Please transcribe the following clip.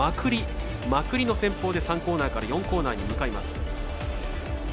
まくりの戦法で３コーナーから４コーナーへ向かいます。